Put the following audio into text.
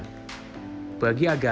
bagi agate ada beberapa keuntungan